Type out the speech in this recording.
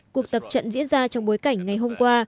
cuộc tập trận diễn ra trong bối cảnh ngày hôm qua